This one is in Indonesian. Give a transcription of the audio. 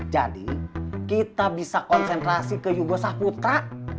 jadi kita bisa konsentrasi ke yugo sahputra